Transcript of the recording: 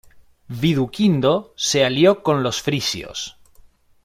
Viduquindo se alió con los frisios.